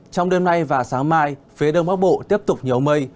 trong đêm nay và sáng mai phía đông bắc bộ tiếp tục nhiều mây